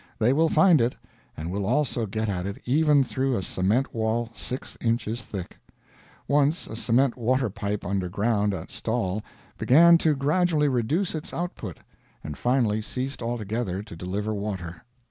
They will find it; and will also get at it even through a cement wall six inches thick. Once a cement water pipe under ground at Stawell began to gradually reduce its output, and finally ceased altogether to deliver water.